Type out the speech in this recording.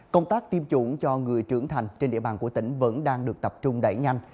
công tác tiêm chủng cho người trưởng thành trên địa bàn của tỉnh vẫn đang được tập trung đẩy nhanh